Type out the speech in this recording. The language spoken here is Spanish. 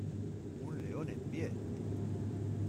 ¡ un león en pie!...